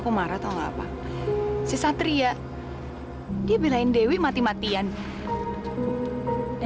sampai jumpa di video selanjutnya